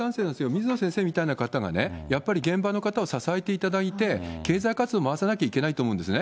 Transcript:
水野先生みたいな方がやっぱり現場の方を支えていただいて、経済活動回さなきゃいけないと思うんですね。